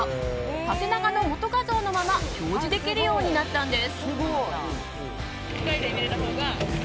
縦長の元画像のまま表示できるようになったんです。